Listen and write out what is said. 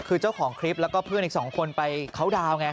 คือเจ้าของคลิปแล้วก็เพื่อนอีก๒คนไปเขาดาวน์ไง